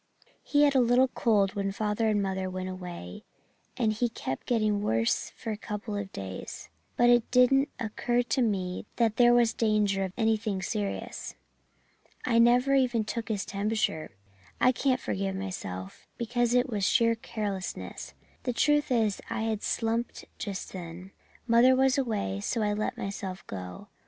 "He had a little cold when father and mother went away, and he kept getting worse for a couple of days, but it didn't occur to me that there was danger of anything serious. I never even took his temperature, and I can't forgive myself, because it was sheer carelessness. The truth is I had slumped just then. Mother was away, so I let myself go.